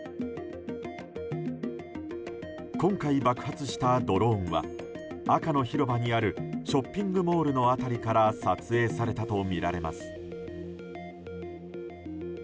今回、爆発したドローンは赤の広場にあるショッピングモールの辺りから撮影されたとみられます。